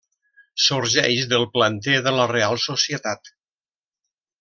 Sorgeix del planter de la Reial Societat.